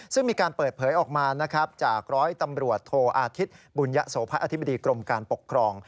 ซึ่งมีการเปิดเผยออกมานะครับจากร้อยตำรวจโทอาทิตย์บุญยโสภาอธิบดีกรมการปกครอง